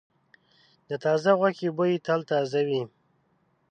د تازه غوښې بوی تل تازه وي.